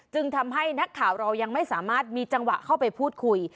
ทำให้นักข่าวเรายังไม่สามารถมีจังหวะเข้าไปพูดคุย